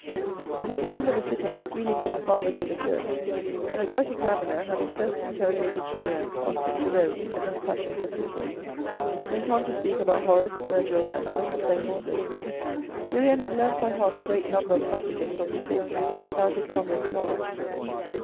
But at the end of a sitting, dealing with the fathers of the Church, an adroit examiner, having first interrogated Julien on Saint Jerome and his passion for Cicero, went on to speak about Horace, Virgil and other profane authors. Julien had learnt by heart a great number of passages from these authors without his comrades, knowledge.